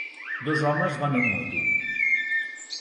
Dos homes van en moto.